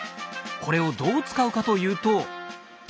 これをどう使うかというと。